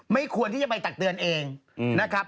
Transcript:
ไม่ควรที่จะไปตักเตือนเองนะครับ